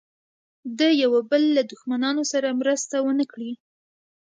د یوه بل له دښمنانو سره مرسته ونه کړي.